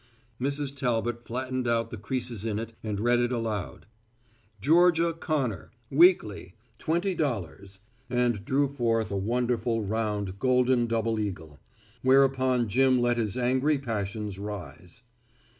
Mrs. Talbot flattened out the creases in it and read it aloud. "Georgia Connor weekly twenty dollars." And drew forth a wonderful, round, golden double eagle. Whereupon Jim let his angry passions rise.